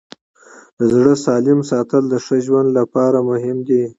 د زړه سالم ساتل د ښه ژوند لپاره مهم دي.